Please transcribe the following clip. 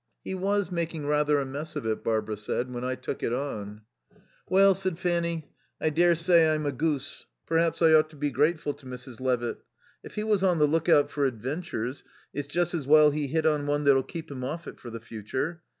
"He was making rather a mess of it," Barbara said, "when I took it on." "Well," said Fanny, "I daresay I'm a goose. Perhaps I ought to be grateful to Mrs. Levitt. If he was on the look out for adventures, it's just as well he hit on one that'll keep him off it for the future.